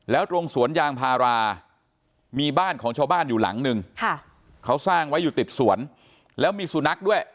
แล้วตรงสวนยางพารามีบ้านของชาวบ้านอยู่หลังนึงเขาสร้างไว้อยู่ติดสวนแล้วมีสุนัขด้วย